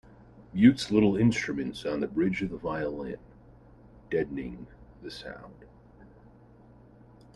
Mutes little instruments on the bridge of the violin, deadening the sound.